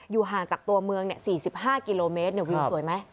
ห่างจากตัวเมือง๔๕กิโลเมตรวิวสวยไหม